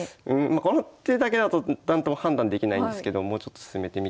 この手だけだと何とも判断できないんですけどもうちょっと進めてみて。